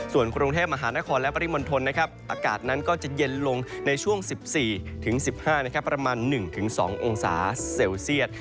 ส่วนกรุงเทพมหานครและปริมณฑลอากาศนั้นก็จะเย็นลงในช่วง๑๔๑๕ประมาณ๑๒องศาเซลเซียต